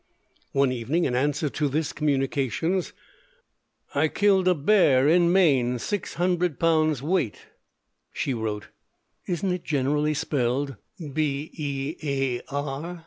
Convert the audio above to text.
One evening, in answer to this communication, i killd a Bare in Maine 600 lbs waight she wrote: _Isn't it generally spelled Bear?